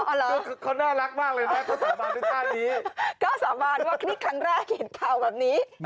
ก็คือเขาน่ารักมากเลยนะเขาสาบานด้วยท่านี้ก็สาบานว่านี่ครั้งแรกเห็นข่าวแบบนี้